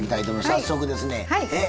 早速ですねえっ